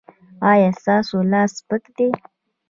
ایا ستاسو لاس سپک دی؟